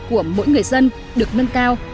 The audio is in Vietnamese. của mỗi người dân được nâng cao